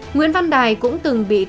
nguyễn văn đài cũng từng bị tuyên án